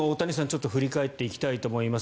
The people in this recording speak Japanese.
ちょっと振り返っていきたいと思います。